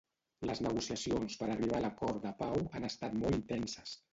Les negociacions per arribar a l'acord de pau han estat molt intenses